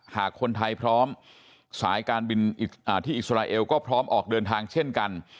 หากคนไทยพร้อมสายการบินที่อิสราเอลก็พร้อมออกเดินทางเช่นกัน